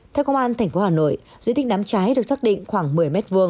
theo công an tp hà nội diện tích đám cháy được xác định khoảng một mươi m hai